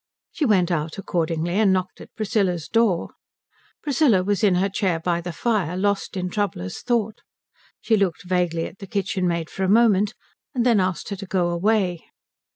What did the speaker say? She went out accordingly and knocked at Priscilla's door. Priscilla was in her chair by the fire, lost in troublous thought. She looked vaguely at the kitchenmaid for a moment, and then asked her to go away.